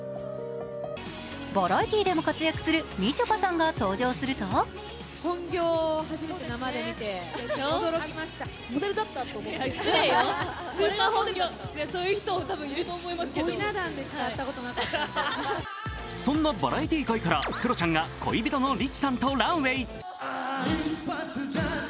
バラエティーでも活躍するみちょぱさんが登場するとそんなバラエティー界からクロちゃんが恋人のリチさんとランウェイ。